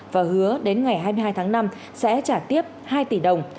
và hứa đến ngày hai mươi hai tháng năm sẽ trả tiếp hai tỷ đồng